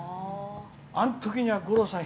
あのときには、五郎さん